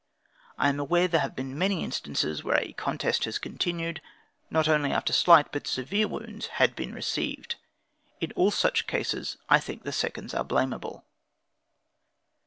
I am aware there have been many instances where a contest has continued, not only after slight, but severe wounds, had been received. In all such cases, I think the seconds are blamable.